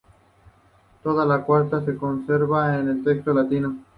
Toda la carta se conserva en un texto latino.